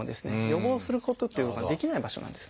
予防することっていうのができない場所なんですね。